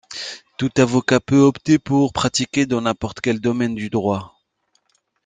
Tout avocat peut opter pour pratiquer dans n'importe quel domaine du droit.